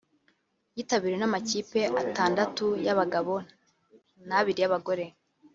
yitabiriwe n’amakipe atandatu y’abagabo n’abiri y’abagore